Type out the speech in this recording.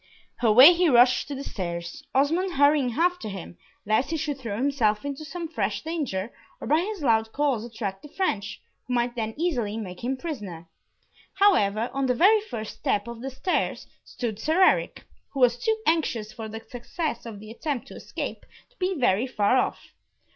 Away he rushed to the stairs, Osmond hurrying after him, lest he should throw himself into some fresh danger, or by his loud calls attract the French, who might then easily make him prisoner. However, on the very first step of the stairs stood Sir Eric, who was too anxious for the success of the attempt to escape, to be very far off.